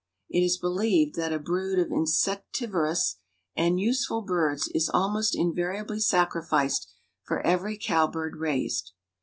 It is believed that a brood of insectivorous and useful birds is almost invariably sacrificed for every cowbird raised.